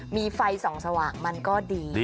มีไฟส่องสว่างมันก็ดี